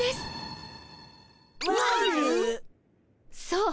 そう。